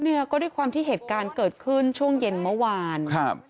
เนี่ยก็ด้วยความที่เหตุการณ์เกิดขึ้นช่วงเย็นเมื่อวานครับ